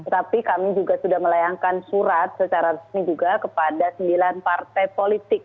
tapi kami juga sudah melayangkan surat secara resmi juga kepada sembilan partai politik